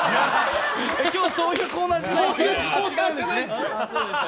今日そういうコーナーじゃないんですか？